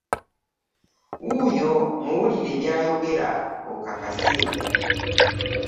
Wuuyo muwulire by'ayogera okakase.